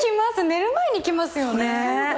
寝る前に来ますよね。